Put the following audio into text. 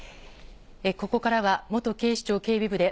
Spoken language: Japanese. ここからは元警視庁警備部で、